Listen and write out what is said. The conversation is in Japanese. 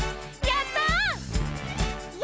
やった！